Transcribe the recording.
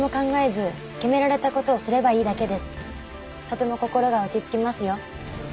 とても心が落ち着きますよ。